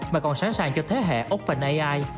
mà còn sẵn sàng cho thế hệ open ai